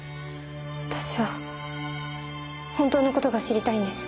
私は本当の事が知りたいんです。